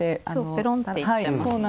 ペロンっていっちゃいますもんね。